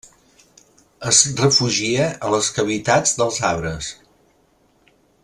Es refugia a les cavitats dels arbres.